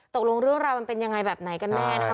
ตกลงเรื่องราวมันเป็นยังไงแบบไหนกันแน่นะคะ